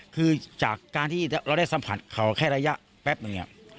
คือจากการที่เราได้สัมผัสเขาแค่ระยะแป๊บหนึ่ง